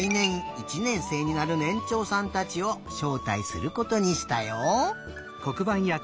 １ねんせいになるねんちょうさんたちをしょうたいすることにしたよ。